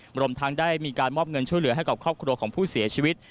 รวมทั้งได้มีการมอบเงินช่วยเหลือให้กับครอบครัวของผู้เสียชีวิต